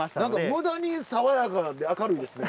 無駄に爽やかで明るいですね。